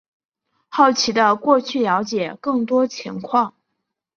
好奇的过去了解更多情况